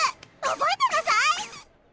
覚えてなさい！